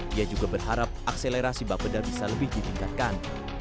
dia juga berharap akselerasi bapeda bisa lebih ditingkatkan